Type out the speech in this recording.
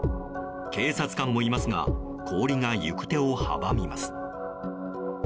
警察官もいますが氷が行く手を阻みます。